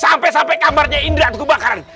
sampai sampai kamarnya indra itu kebakaran